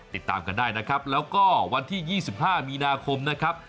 ติดตามกันได้นะครับแล้วก็วันที่๒๕มีนาคมนะครับ